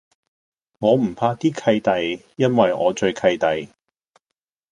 我唔怕啲契弟，因為我最契弟